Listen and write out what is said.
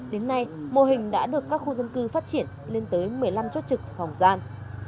đến nay mô hình đã được các khu dân cư phát triển lên tới một mươi năm chốt trực phòng gian